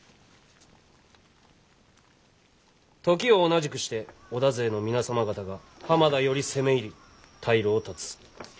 時を同じくして織田勢の皆様方が浜田より攻め入り退路を断つ。